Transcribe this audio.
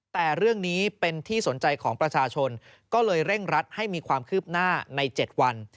แต่เรื่องนี้เป็นที่สนใจของประชาชนก็เลยเร่งรัดให้มีความคืบหน้าใน๗วัน